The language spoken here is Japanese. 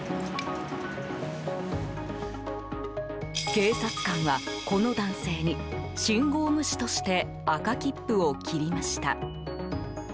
警察官は、この男性に信号無視として赤切符を切りました。